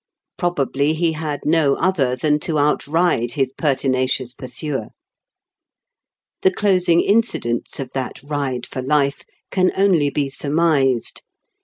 Probably be bad no otber tban to outride bis pertinacious pursuer. Tbe closing incidents of tbat ride for life can only be surmised.